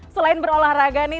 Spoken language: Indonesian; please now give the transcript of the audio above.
selain berolahraga nih